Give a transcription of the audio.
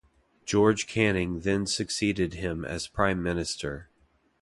George Canning then succeeded him as Prime Minister.